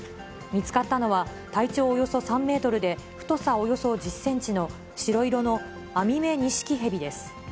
見つかったのは、体長およそ３メートルで、太さおよそ１０センチの、白色のアミメニシキヘビです。